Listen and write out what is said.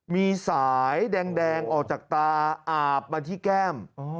มีสายแดงออกจากตาอาบมาที่แก้ม